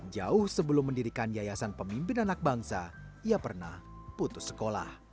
jauh sebelum mendirikan yayasan pemimpin anak bangsa ia pernah putus sekolah